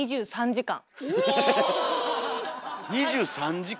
２３時間！